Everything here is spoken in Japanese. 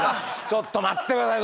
ちょっと待って下さい。